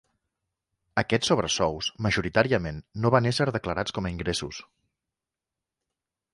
Aquests sobresous majoritàriament no van ésser declarats com a ingressos.